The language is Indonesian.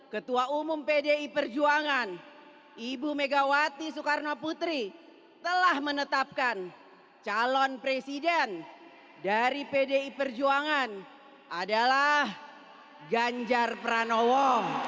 ketua umum pdi perjuangan ibu megawati soekarno putri telah menetapkan calon presiden dari pdi perjuangan adalah ganjar pranowo